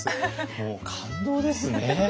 もう感動ですね。